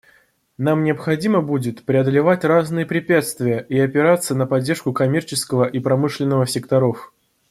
Нам необходимо будет преодолевать разные препятствия и опираться на поддержку коммерческого и промышленного секторов.